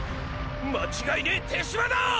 間違いねェ手嶋だァ！！